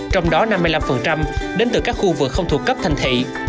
trong đó năm mươi năm đến từ các khu vực không thuộc cấp thành thị